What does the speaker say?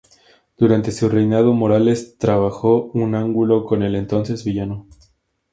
Durante su reinado, Morales trabajó un ángulo con el entonces villano.